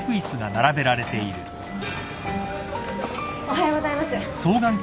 おはようございます。